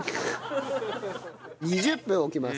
２０分置きます。